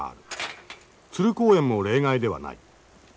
鶴公園も例外ではない。